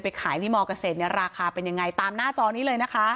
ไปขายที่มเกษตรเป็นยังไงตามหน้าจอนี่เลยนะคะ